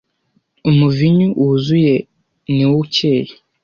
Umuvinyu wuzuye niwo ucyeye